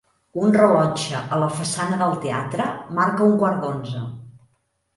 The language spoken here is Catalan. Un rellotge a la façana del teatre marca un quart d'onze.